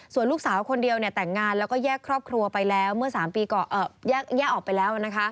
ส่วนลูกสาวคนเดียวแต่งงานแล้วก็แยกครอบครัวไปแล้วเมื่อ๓ปีแยกออกไปแล้วนะคะ